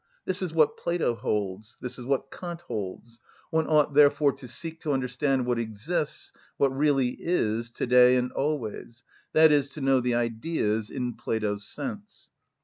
This is what Plato holds, this is what Kant holds. One ought therefore to seek to understand what exists, what really is, to‐day and always, i.e., to know the Ideas (in Plato's sense).